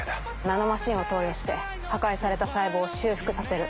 ナノマシンを投与して破壊された細胞を修復させる。